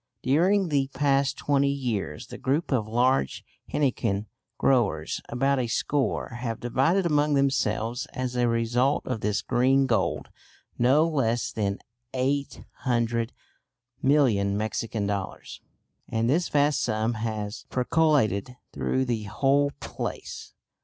During the past twenty years the group of large henequen growers about a score have divided among themselves as a result of this "green gold," no less than 800,000,000 Mexican dollars. And this vast sum has percolated through the whole place.